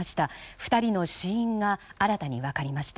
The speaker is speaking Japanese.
２人の死因が新たに分かりました。